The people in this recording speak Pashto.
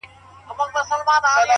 دا کتاب ختم سو نور، یو بل کتاب راکه،